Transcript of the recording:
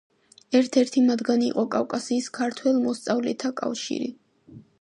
ერთ-ერთი მათგანი იყო კავკასიის ქართველ მოსწავლეთა კავშირი.